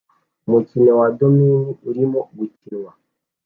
Umukino wa domino urimo gukinwa